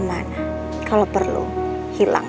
baru aku pulang